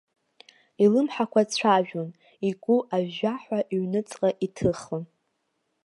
Илымҳақәа цәажәон, игәы ажәжәаҳәа иҩныҵҟа иҭыхон.